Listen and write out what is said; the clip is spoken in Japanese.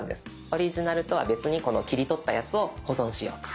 オリジナルとは別にこの切り取ったやつを保存しようと。